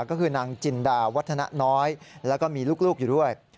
ก็คือนางจินดาวัฒนะน้อยแล้วก็มีลูกอยู่ด้วย